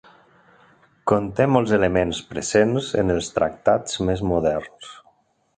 Conté molts elements presents en els tractats més moderns.